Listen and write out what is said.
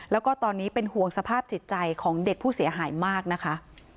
แล้วก็ตอนนี้เป็นห่วงสภาพจิตใจของเด็กผู้เสียหายมากนะคะ